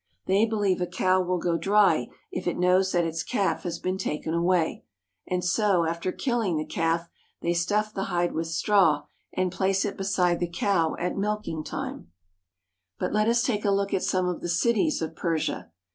They believe a cow will go dry if it knows that its calf has been taken away ; and so, after killing the calf, they stuff the hide with straw and place it beside the cow at milking time. 328 PERSIA But let us take a look at some of the cities of Persia.